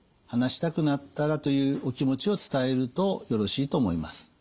話したくなったらというお気持ちを伝えるとよろしいと思います。